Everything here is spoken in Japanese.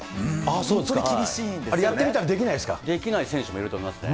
あれ、やってみたらできないできない選手もいると思いますね。